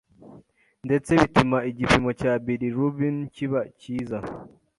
ndetse bituma igipimo cya bilirubin kiba cyiza